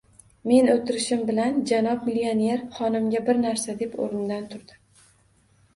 Men o‘tirishim bilan janob millioner xonimga bir narsa deb o‘rnidan turdi.